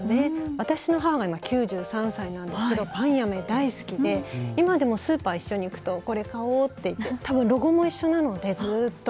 私の母が９３歳なんですがパインアメ、大好きでスーパー、一緒に行くとこれ買おうと言ってロゴも一緒なので、ずっと。